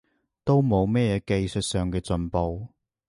都冇乜嘢技術上嘅進步